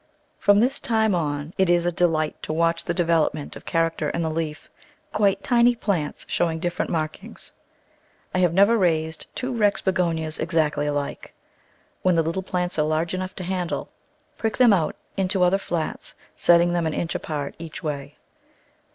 From this time on it is a delight to watch the development of char acter in the leaf — quite tiny plants showing different markings. I have never raised two Rex Begonias exactly alike. When the little plants are large enough to handle prick them out into other flats, setting them an inch apart each way.